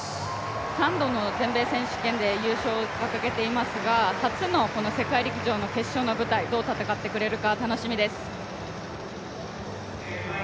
３度の全米選手権で優勝を掲げていますが初の世界陸上の決勝の舞台、どう戦ってくれるか楽しみです。